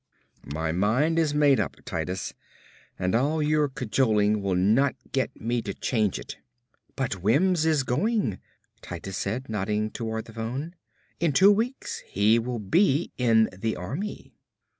"My mind is made up, Titus, and all your cajoling will not get me to change it." "But Wims is going," Titus said, nodding toward the phone. "In two weeks he will be in the Army."